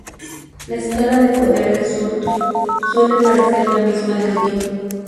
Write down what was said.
La escala de poder de Surtur suele parecer la misma de Odín.